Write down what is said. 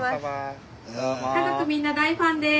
家族みんな大ファンです。